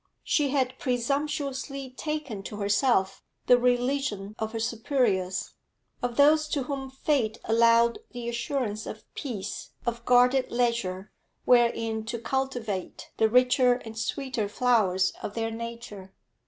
She had presumptuously taken to herself the religion of her superiors, of those to whom fate allowed the assurance of peace, of guarded leisure wherein to cultivate the richer and sweeter flowers of their nature.